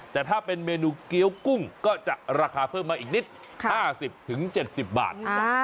แต่ถ้าเป็นเมนูเกี้ยวกุ้งก็จะราคาเพิ่มมาอีกนิด๕๐๗๐บาท